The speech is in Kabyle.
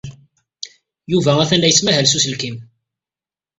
Yuba atan la yettmahal s uselkim.